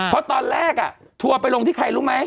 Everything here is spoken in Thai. เพราะตอนแรกอะถั่วไปลงที่ใครรู้ไมไหม